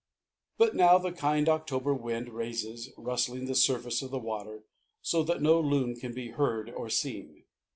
But now the kind October wind raises, rustling the surface of the water, so that no loon can be heard or seen.